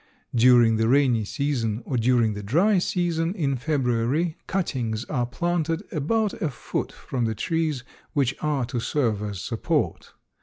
During the rainy season or during the dry season in February cuttings are planted about a foot from the trees which are to serve as support.